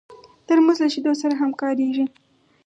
ترموز له شیدو سره هم کارېږي.